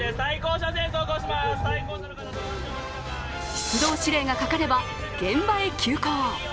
出動指令がかかれば現場へ急行。